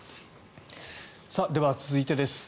では、続いてです。